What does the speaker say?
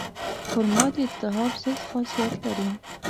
خرما د التهاب ضد خاصیت لري.